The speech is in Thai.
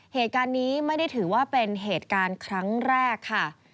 เหตุการณ์นี้ไม่ได้ถือว่าเป็นเหตุการณ์ครั้งแรกค่ะ